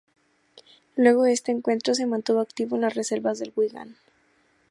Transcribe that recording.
Luego de ese encuentro, se mantuvo activo en las reservas del Wigan.